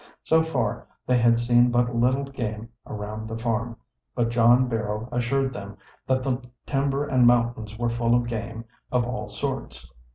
So far they had seen but little game around the farm, but John Barrow assured them that the timber and mountains were full of game of all sorts.